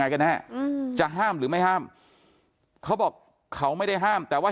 กันแน่จะห้ามหรือไม่ห้ามเขาบอกเขาไม่ได้ห้ามแต่ว่า